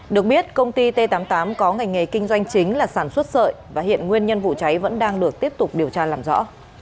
được biết công ty t tám mươi tám có ngành nghề kinh doanh chính là sản xuất sợi và hiện nguyên nhân vụ cháy vẫn đang được tiếp tục điều tra làm rõ